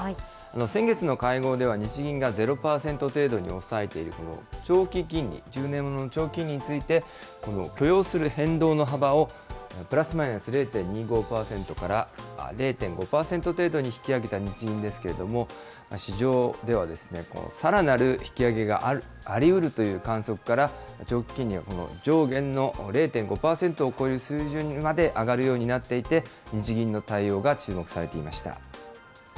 先月の会合では日銀がゼロ％程度に抑えている、この長期金利、１０年ものの長期金利について、許容する変動の幅を、プラスマイナス０．２５％から、０．５％程度に引き上げた日銀ですけれども、市場では、さらなる引き上げがありうるという観測から、長期金利が上限の０．５％を超える水準にまで上がるようになっていて、日銀の対応が注目されていました。